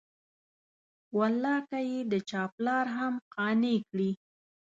والله که یې د چا پلار هم قانع کړي.